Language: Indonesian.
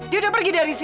dia udah pergi dari sini